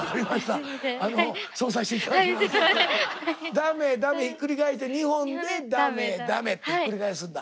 ダメダメひっくり返して２本でダメダメって繰り返すんだ。